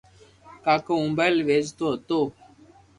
ڪاڪو موبائل ويچتو ھتو